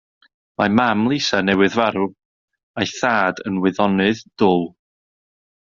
Mae mam Lisa newydd farw, a'i thad yn wyddonydd dwl.